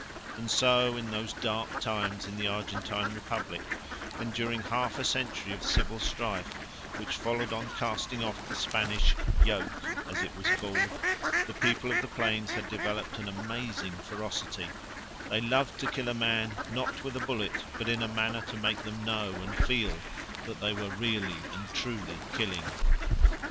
And so in those dark times in the Argentine Republic when, during half a century of civil strife which followed on casting off the Spanish "yoke," as it was called, the people of the plains had developed an amazing ferocity, they loved to kill a man not with a bullet but in a manner to make them know and feel that they were really and truly killing.